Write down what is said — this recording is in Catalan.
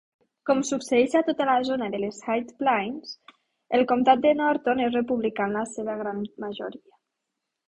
Com succeeix a tota la zona de les High Plains, el comtat de Norton és republicà en la seva gran majoria.